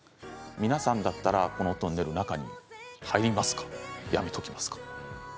皆さんだったら、このトンネル中に入りますかやめておきますか？